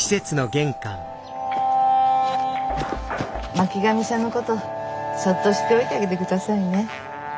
巻上さんのことそっとしておいてあげて下さいね。